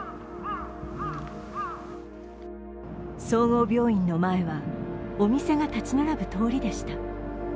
総合病院の前はお店が立ち並ぶ通りでした。